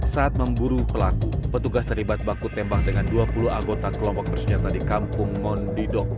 saat memburu pelaku petugas terlibat baku tembak dengan dua puluh anggota kelompok bersenjata di kampung ngon didok